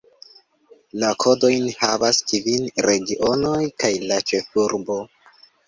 La kodojn havas kvin regionoj kaj la ĉefurbo.